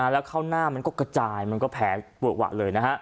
แล้วเข้าหน้ามันก็กระจายมันก็แผลเวอะหวะเลยนะฮะ